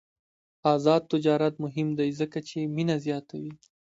آزاد تجارت مهم دی ځکه چې مینه زیاتوي.